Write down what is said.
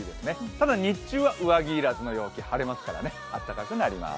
ただ日中は上着要らずの陽気晴れますからね、あったかくなります。